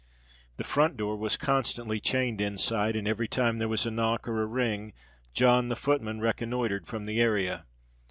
The front door was constantly chained inside; and every time there was a knock or a ring, John the footman reconnoitred from the area.